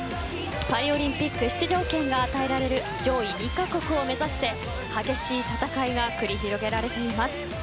パリオリンピック出場権が与えられる上位２か国を目指して激しい戦いが繰り広げられています。